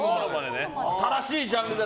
新しいジャンル。